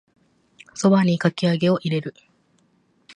蕎麦にかき揚げを入れる